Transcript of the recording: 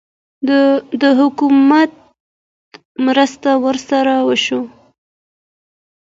د حکومت مرسته ورسره وشوه؟